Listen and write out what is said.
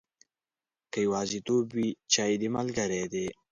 که یوازیتوب وي، چای دې ملګری دی.